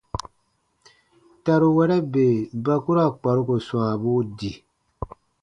Taruwɛrɛ bè ba ku ra kparuko swãabuu di.